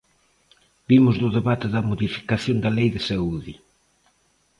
Vimos do debate da modificación da Lei de saúde.